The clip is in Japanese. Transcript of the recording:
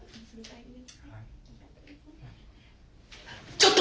ちょっと！